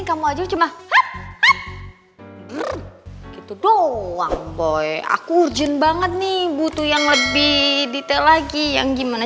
kamu aja cuma gitu doang boy aku urgent banget nih butuh yang lebih detail lagi yang gimana